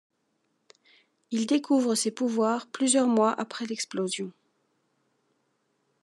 Il découvre ses pouvoirs plusieurs mois après l'explosion.